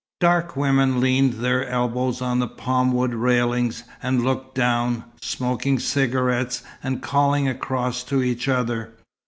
Dark women leaned their elbows on the palm wood railings, and looked down, smoking cigarettes, and calling across to each other.